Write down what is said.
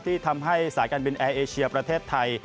ที่ทำให้สายการบินแอร์เอเชียประเทศไทย